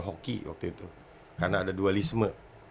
hoki waktu itu karena ada dualisme